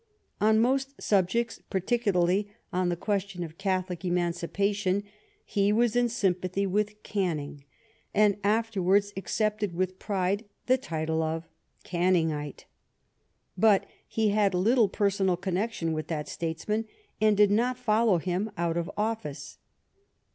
Qn most subjects, particularly on the question of Catholic Emancipation,* he was in sympathy with Canning, and afterwards ac cepted with pride the title of Canningite; but he bad little personal connection with that statesman, and did not follow him out of office.